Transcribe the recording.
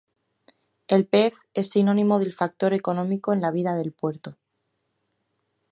El pez es sinónimo del factor económico en la vida del puerto.